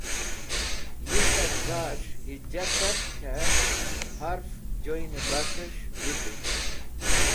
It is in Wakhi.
Yisar zas̃h hija cart k̃hẽ harf joynẽ basẽs̃h wizit.